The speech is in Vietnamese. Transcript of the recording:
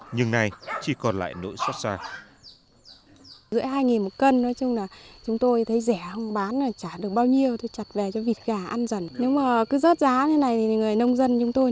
nhưng nay chỉ còn lại nỗi xót xa